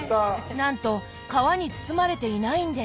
なんと皮に包まれていないんです。